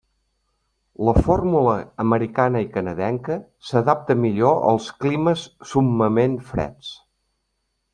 La fórmula americana i canadenca s'adapta millor als climes summament freds.